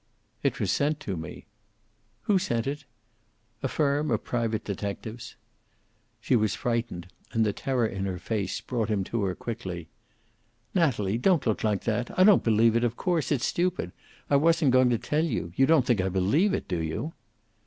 "It was sent to me." "Who sent it?" "A firm of private detectives." She was frightened, and the terror in her face brought him to her quickly. "Natalie! Don't look like that! I don't believe it, of course. It's stupid. I wasn't going to tell you. You don't think I believe it, do you?"